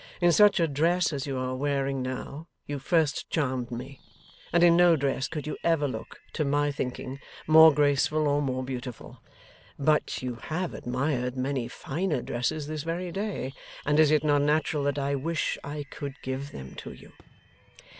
In such a dress as you are wearing now, you first charmed me, and in no dress could you ever look, to my thinking, more graceful or more beautiful. But you have admired many finer dresses this very day; and is it not natural that I wish I could give them to you?